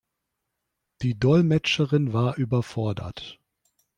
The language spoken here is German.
Die Dolmetscherin war überfordert.